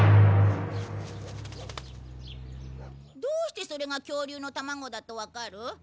どうしてそれが恐竜のたまごだとわかる？